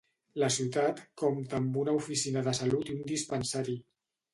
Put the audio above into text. La ciutat compta amb una oficina de salut i un dispensari.